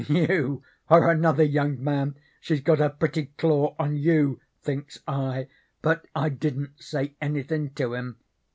"'You are another, young man; she's got her pretty claw on you,' thinks I, but I didn't say anythin' to him.